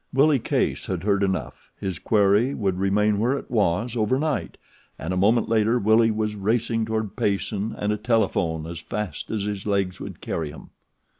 Willie Case had heard enough. His quarry would remain where it was over night, and a moment later Willie was racing toward Payson and a telephone as fast as his legs would carry him.